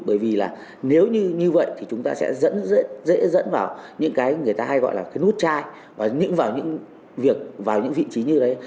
bởi vì là nếu như vậy thì chúng ta sẽ dẫn dễ dẫn vào những cái người ta hay gọi là cái nút chai và những việc vào những vị trí như đấy